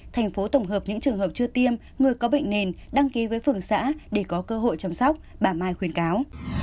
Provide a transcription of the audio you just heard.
thành phố tổng hợp những trường hợp chưa tiêm người có bệnh nền đăng ký với phường xã để có cơ hội chăm sóc bà mai khuyến cáo